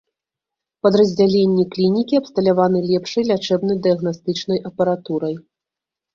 Падраздзяленні клінікі абсталяваны лепшай лячэбна-дыягнастычнай апаратурай.